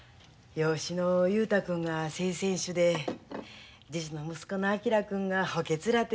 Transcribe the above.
養子の雄太君が正選手で実の息子の昭君が補欠らて。